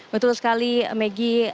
betul sekali megi